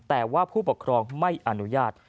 แต่ว่าผู้ปกครองไม่อนุญาต